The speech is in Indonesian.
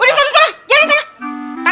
udah usah usah jalan jangan